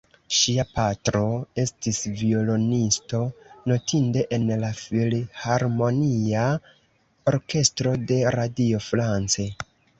Ŝia patro, estis violonisto notinde en la filharmonia orkestro de Radio France.